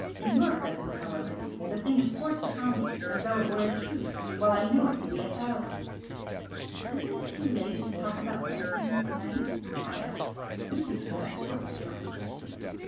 In your presence, however, the thing is forced upon me as though it were a truth, while I know it to be a fallacy." "Isn't it too late to talk about such things to night?" I asked, wishing to cut short the conversation.